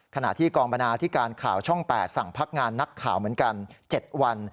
ขณะที่กองบรรณาที่การข่าวช่อง๘สั่งพักงานนักข่าวเหมือนกัน๗วัน